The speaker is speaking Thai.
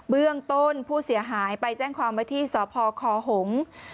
เรื่องต้นผู้เสียหายไปแจ้งความไว้ที่สพคหงษ์